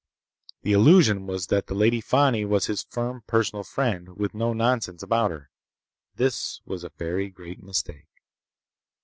The illusion was that the Lady Fani was his firm personal friend with no nonsense about her. This was a very great mistake.